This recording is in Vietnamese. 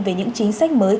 về những chính sách mới